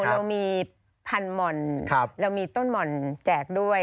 เรามีพันหม่อนเรามีต้นหม่อนแจกด้วย